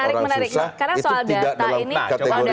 orang susah itu tidak dalam kategori itu